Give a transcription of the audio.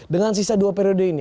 dengan sisa dua periode ini